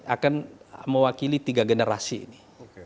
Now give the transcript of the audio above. akan mewakili tiga generasi ini